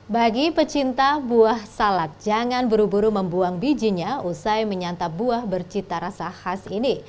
bagi pecinta buah salak jangan buru buru membuang bijinya usai menyantap buah bercita rasa khas ini